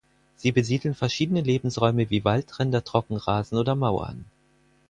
Sie besiedeln verschiedene Lebensräume wie Waldränder, Trockenrasen oder Mauern.